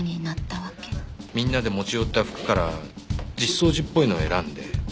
みんなで持ち寄った服から実相寺っぽいのを選んで。